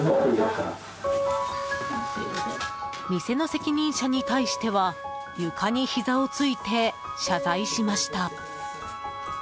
店の責任者に対しては床にひざをついて謝罪しました。